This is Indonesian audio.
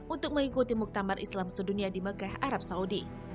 untuk mengikuti muktamar islam sedunia di mekah arab saudi